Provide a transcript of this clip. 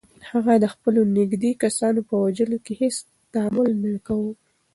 هغه د خپلو نږدې کسانو په وژلو کې هیڅ تامل نه کاوه.